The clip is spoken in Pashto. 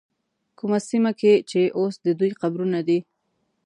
کومه سیمه کې چې اوس د دوی قبرونه دي.